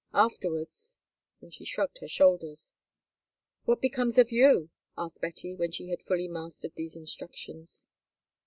Afterwards——" and she shrugged her shoulders. "What becomes of you?" asked Betty, when she had fully mastered these instructions.